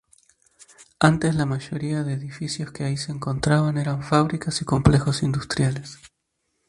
Antes la mayoría de edificios que ahí se encontraban eran fábricas y complejos industriales.